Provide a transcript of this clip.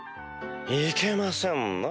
いけませんな